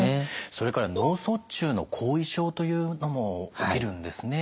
それから脳卒中の後遺症というのも起きるんですね。